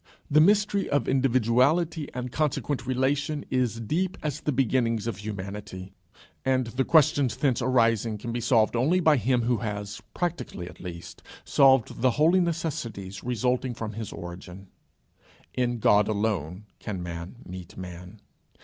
The mystery of individuality and consequent relation is deep as the beginnings of humanity, and the questions thence arising can be solved only by him who has, practically, at least, solved the holy necessities resulting from his origin. In God alone can man meet man.